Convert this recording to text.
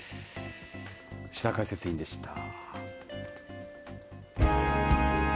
牛田解説委員でした。